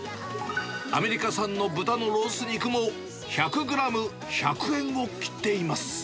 アメリカ産の豚のロース肉も１００グラム１００円を切っています。